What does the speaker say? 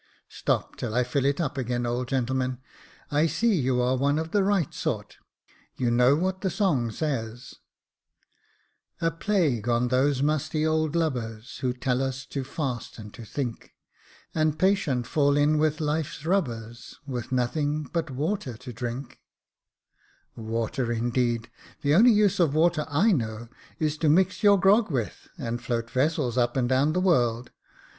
" Stop till I fill it up again, old gentleman. I see you Jacob Faithful 107 are one of the right sort. You know what the song says —" A plague on those musty old lubbers, Who tell us to fast and to think, And patient fall in with life's rubbers, With nothing but ivattr to drini/ " Water, indeed ! The only use of water I know is to mix your grog with, and float vessels up and down the world.